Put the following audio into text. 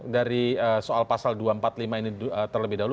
dari soal pasal dua ratus empat puluh lima ini terlebih dahulu